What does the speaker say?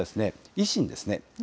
維新です。